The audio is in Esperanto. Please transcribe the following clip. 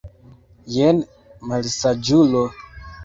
Jen, malsaĝulo!